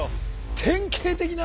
典型的な。